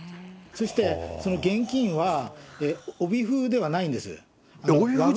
そして、その現金は、帯封ではないんです。